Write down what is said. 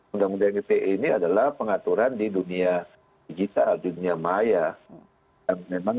undang undang ite ini adalah pengaturan di dunia digital dunia maya